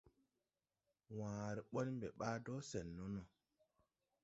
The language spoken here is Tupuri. Waare ɓɔn mbe ɓaa do sen ne no.